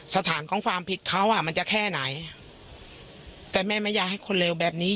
สถานของความผิดเขาอ่ะมันจะแค่ไหนแต่แม่ไม่อยากให้คนเลวแบบนี้